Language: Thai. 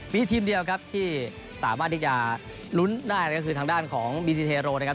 มีทีมเดียวครับที่สามารถที่จะลุ้นได้ก็คือทางด้านของบีซีเทโรนะครับ